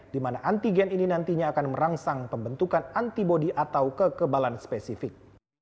dimana antigen ini nantinya akan merangsang pembentukan antibody atau kekebalan spesifik